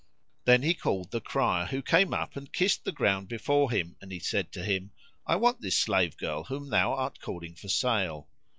Then he called the crier, who came up and kissed the ground before him; and he said to him, "I want this slave girl whom thou art calling for sale."